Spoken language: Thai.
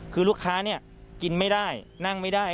คือลูกค้าเนี่ยกินไม่ได้นั่งไม่ได้